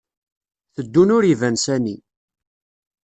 Teddun ur iban sani.